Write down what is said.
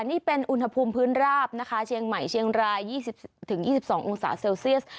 นี่เป็นอุณหภูมิพื้นราบนะคะเชียงใหม่เชียงราย๒๐๒๒องศาเซลเซียส